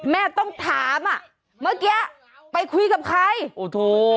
แม่ต้องถามอ่ะเมื่อกี้ไปคุยกับใครโอ้โห